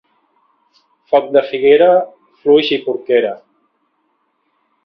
Foc de figuera, fluix i porquera.